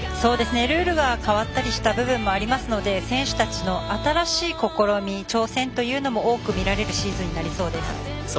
ルールが変わったりした部分もありますので選手たちの新しい試み挑戦というのが多く見られるシーズンになりそうです。